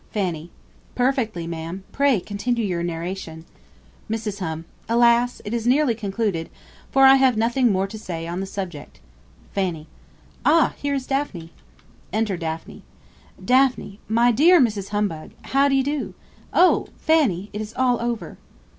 Fanny. Perfectly, ma'am: pray continue your narration. Mrs. Hum. Alas! it is nearly concluded; for I have nothing more to say on the subject. Fanny. Ah! here is Daphne. Enter DAPHNE. Daphne. My dear Mrs. Humbug, how d'ye do? Oh! Fanny, it is all over.